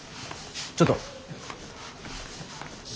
ちょっと。